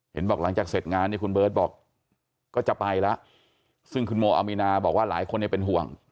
บอกหลังจากเสร็จงานเนี่ยคุณเบิร์ตบอกก็จะไปแล้วซึ่งคุณโมอามีนาบอกว่าหลายคนเป็นห่วง